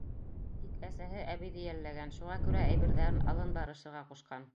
Тик әсәһе әбейҙе йәлләгән, шуға күрә әйберҙәрен алын барышырға ҡушҡан.